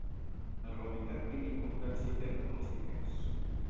En realitat, quina importància tenen els diners?